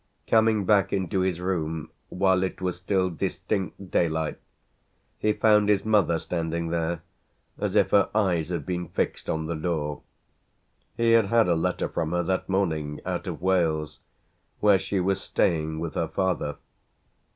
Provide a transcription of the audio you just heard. Coming back into his room while it was still distinct daylight he found his mother standing there as if her eyes had been fixed on the door. He had had a letter from her that morning out of Wales, where she was staying with her father.